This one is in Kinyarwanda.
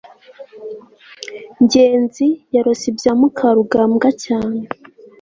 ngenzi yarose ibya mukarugambwa cyane